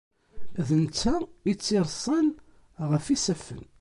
D netta i tt-ireṣṣan ɣef isaffen.